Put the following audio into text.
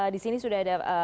di sini sudah ada